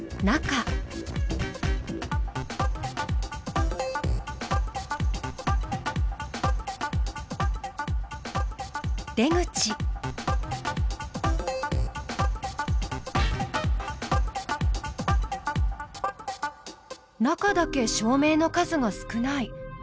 中だけ照明の数が少ない。